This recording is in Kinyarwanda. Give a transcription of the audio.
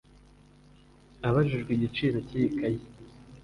Abajijwe igiciro cy’iyi kayi